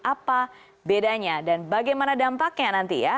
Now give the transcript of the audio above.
apa bedanya dan bagaimana dampaknya nanti ya